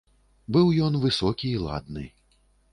Быў ён высокі і ладны.